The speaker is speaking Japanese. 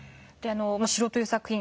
「城」という作品